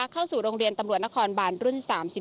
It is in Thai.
เข้าสู่โรงเรียนตำรวจนครบานรุ่น๓๔